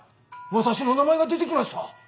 私の名前が出て来ました！